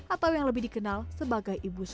atau yang lebih dikenal sebagai ibu susi